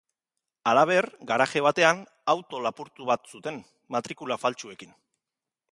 Halaber, garaje batean, auto lapurtu bat zuten, matrikula faltsuekin.